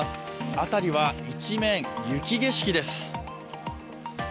辺りは一面、雪景色です。